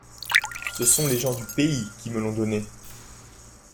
Ce sont les gens du pays qui me l’ont donné.